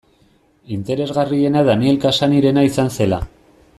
Interesgarriena Daniel Cassany-rena izan zela.